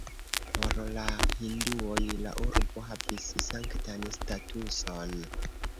Por la hinduoj la urbo havis sanktan statuson.